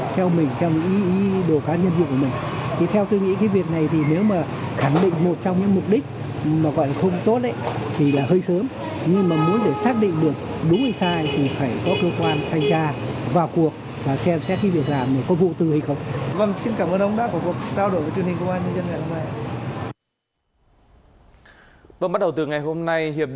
sáu mươi triệu đồng một doanh nghiệp